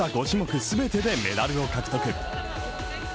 ５種目全てでメダルを獲得。